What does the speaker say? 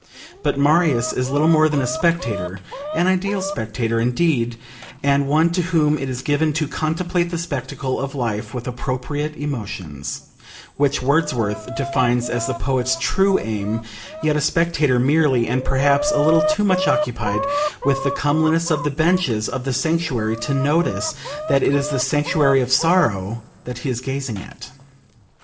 But Marius is little more than a spectator: an ideal spectator indeed, and one to whom it is given 'to contemplate the spectacle of life with appropriate emotions,' which Wordsworth defines as the poet's true aim; yet a spectator merely, and perhaps a little too much occupied with the comeliness of the benches of the sanctuary to notice that it is the sanctuary of sorrow that he is gazing at.